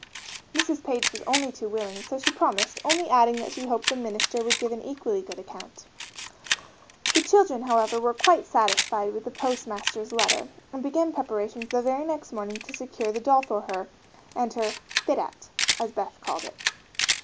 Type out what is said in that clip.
Mrs. Page was only too willing, so she promised, only adding that she hoped the minister would give an equally good account. The children, however, were quite satisfied with the postmaster's letter and began preparations the very next morning to secure the doll and her "fit out" as Beth called it.